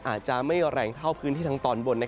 อาจจะไม่แรงเท่าพื้นที่ทางตอนบน